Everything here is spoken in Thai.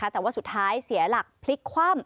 แต่ว่าสุดท้ายเสียหลักพลิกคว่ำ